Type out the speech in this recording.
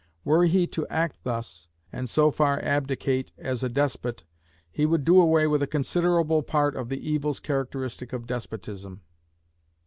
Were he to act thus, and so far abdicate as a despot, he would do away with a considerable part of the evils characteristic of despotism.